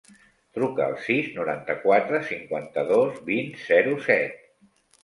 Truca al sis, noranta-quatre, cinquanta-dos, vint, zero, set.